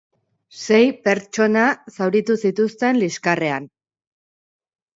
Sei pertsona zauritu zituzten liskarrean.